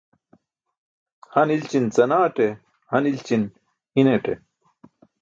Han i̇lćin canaṭe, han i̇lći̇n hi̇ṅate.